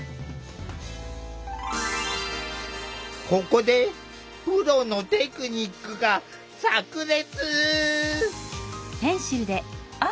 ここでプロのテクニックがさく裂！